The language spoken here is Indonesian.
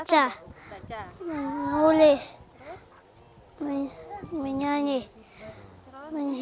ketika mereka berada di rumah mereka berganti dengan orang yang sudah berada di rumah